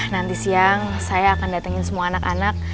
nanti siang saya akan datengin semua anak anak